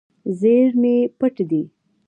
زیرمې پټ دي.